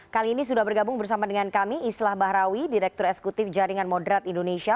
kali ini sudah bergabung bersama dengan kami islah bahrawi direktur eksekutif jaringan moderat indonesia